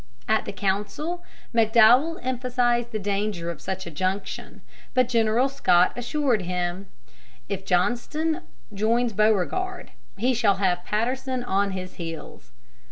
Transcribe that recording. At the council McDowell emphasized the danger of such a junction; but General Scott assured him: "If Johnston joins Beauregard, he shall have Patterson on his heels."